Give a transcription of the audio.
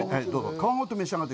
皮ごと召し上がって。